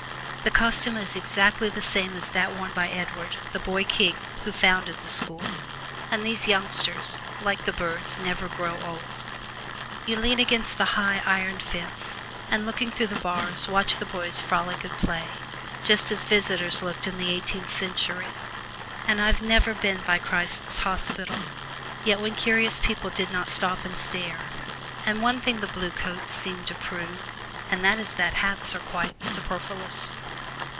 The costume is exactly the same as that worn by Edward, "the Boy King," who founded the school; and these youngsters, like the birds, never grow old. You lean against the high iron fence, and looking through the bars watch the boys frolic and play, just as visitors looked in the Eighteenth Century; and I've never been by Christ's Hospital yet when curious people did not stand and stare. And one thing the Blue Coats seem to prove, and that is that hats are quite superfluous.